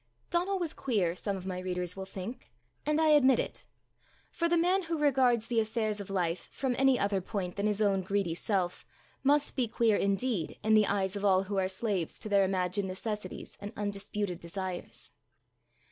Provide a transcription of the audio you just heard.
Donal was queer, some of my readers will think, and I admit it; for the man who regards the affairs of life from any other point than his own greedy self, must be queer indeed in the eyes of all who are slaves to their imagined necessities and undisputed desires.